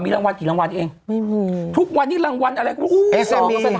มีรางวัลกี่รางวัลอีกเองทุกวันนี้รางวัลอะไรก็โอ้ยแซมมี